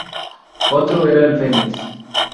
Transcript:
Otro era el Fenix.